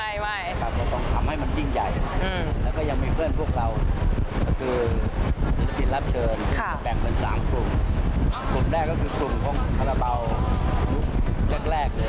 ไม่ครับก็ต้องทำให้มันยิ่งใหญ่แล้วก็ยังมีเพื่อนพวกเราก็คือศิลปินรับเชิญค่ะแบ่งเป็นสามกลุ่มกลุ่มแรกก็คือกลุ่มพวกคาราบาลุคแรกแรกเลย